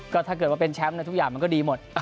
ก็ถ้าเกิดว่าเป็นแชมป์ทุกอย่างมันก็ดีหมด